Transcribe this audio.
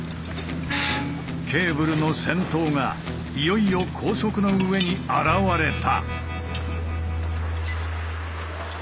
ケーブルの先頭がいよいよ高速の上に現れた。